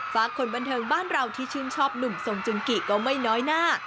ฝากคนบันเทิงบ้านเราที่ชื่นชอบหนุ่มทรงจุงกิก็ไม่น้อยหน้า